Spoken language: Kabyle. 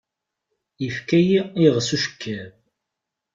Ifka-yi iɣes ucekkab.